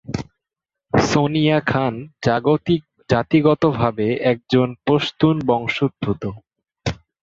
সোনিয়া খান জাতিগতভাবে একজন পশতুন বংশোদ্ভূত।